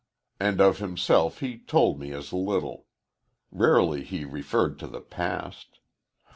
And of himself he told me as little. Rarely he referred to the past.